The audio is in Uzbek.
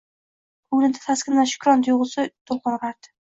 Ko‘nglida taskin va shukrona tuyg‘usi to‘lqin urardi.